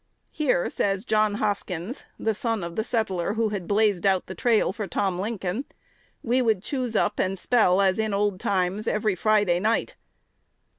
"Here," says John Hoskins, the son of the settler who had "blazed out" the trail for Tom Lincoln, "we would choose up, and spell as in old times every Friday night."